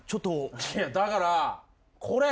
いやだからこれ。